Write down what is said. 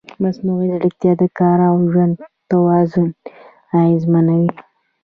مصنوعي ځیرکتیا د کار او ژوند توازن اغېزمنوي.